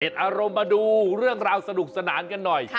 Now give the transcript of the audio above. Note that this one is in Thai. อารมณ์มาดูเรื่องราวสนุกสนานกันหน่อย